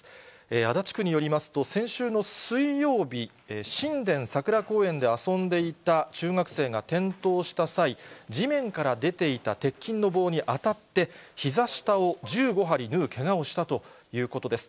足立区によりますと、先週の水曜日、新田さくら公園で遊んでいた中学生が転倒した際、地面から出ていた鉄筋の棒に当たって、ひざ下を１５針縫うけがをしたということです。